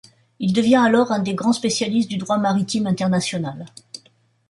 Il devient alors un des grands spécialistes du droit maritime international.